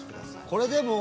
これでも。